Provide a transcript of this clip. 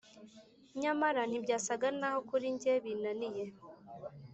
nyamara ntibyasaga naho kuri njye binaniye;